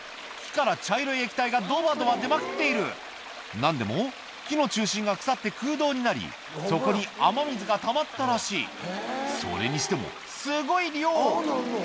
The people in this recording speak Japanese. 木から茶色い液体がドバドバ出まくっている何でも木の中心が腐って空洞になりそこに雨水がたまったらしいそれにしてもすごい量！